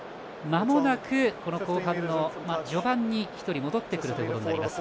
まもなく後半序盤に１人戻ってくることになります。